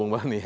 oke baik ya